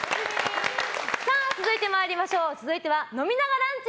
続いては飲みながランチ！